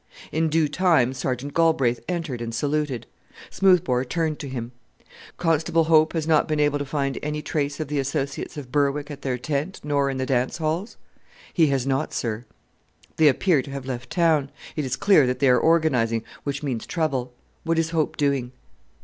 In due time Sergeant Galbraith entered and saluted. Smoothbore turned to him, "Constable Hope has not been able to find any trace of the associates of Berwick at their tent, nor in the dance halls?" "He has not, sir." "They appear to have left town. It is clear that they are organizing, which means trouble. What is Hope doing?"